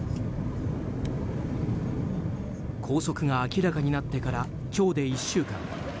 拘束が明らかになってから今日で１週間。